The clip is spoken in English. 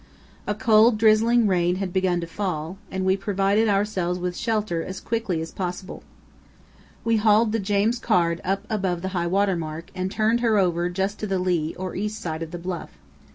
A cold, drizzling rain had begun to fall, and we provided ourselves with shelter as quickly as possible. We hauled the James Caird up above highwater mark and turned her over just to the lee or east side of the bluff.